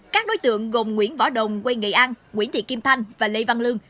các đối tượng gồm nguyễn võ đồng quê nghệ an nguyễn thị kim thanh và lê văn lương